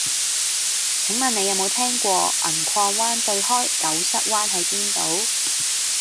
請問你有無聽過銀礦灣對開狗虱灣喺邊度